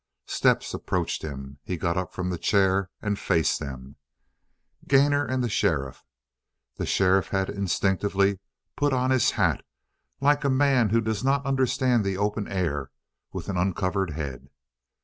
Steps approached him. He got up from the chair and faced them, Gainor and the sheriff. The sheriff had instinctively put on his hat, like a man who does not understand the open air with an uncovered head.